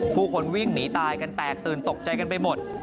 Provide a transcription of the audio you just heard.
ผู้คนวิ่งหนีตายกันแตกตื่นตกใจกันไปหมด